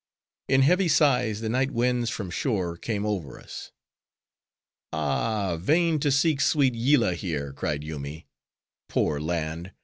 In heavy sighs, the night winds from shore came over us. "Ah, vain to seek sweet Yillah here," cried Yoomy.—"Poor land!